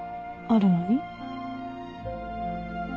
あるのに？